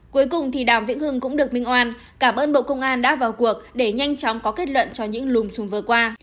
cuối cùng thì đàm vĩnh hưng cũng được minh oan cảm ơn bộ công an đã vào cuộc để nhanh chóng có kết luận cho những lùm xùm vừa qua